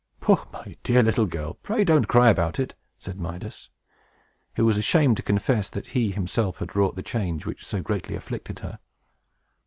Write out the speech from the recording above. "Poh, my dear little girl, pray don't cry about it!" said Midas, who was ashamed to confess that he himself had wrought the change which so greatly afflicted her.